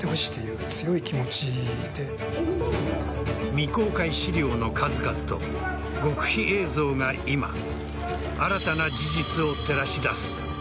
未公開資料の数々と極秘映像が今新たな事実を照らし出す。